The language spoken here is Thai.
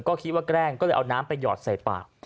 ก็คิดว่าแกล้งก็เลยเอาน้ำไปหยอดใส่ปาก